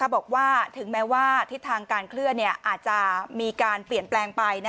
บอกว่าถึงแม้ว่าทิศทางการเคลื่อนอาจจะมีการเปลี่ยนแปลงไป